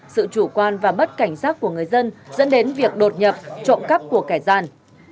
sự chủ quan và mất cảnh giác của người dân dẫn đến việc đột nhập trộm cắp của kẻ gian